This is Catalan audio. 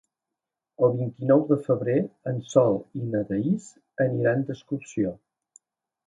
El vint-i-nou de febrer en Sol i na Thaís aniran d'excursió.